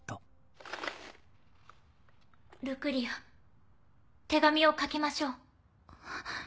ルクリア手紙を書きましょう。